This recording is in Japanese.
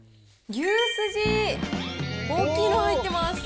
牛すじ、大きいの入ってます。